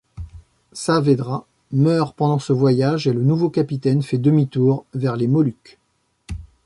Saavedra meurt pendant ce voyage et le nouveau capitaine fait demi-tour vers les Moluques.